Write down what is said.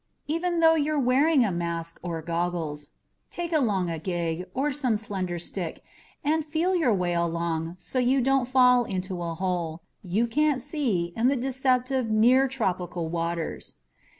Even though you're wearing a mask or goggles, take along a gig or some slender stick and feel your way along so you don't fall into a hole you can't see in the deceptive near tropical waters.